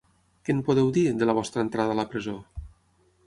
Què en podeu dir, de la vostra entrada a la presó?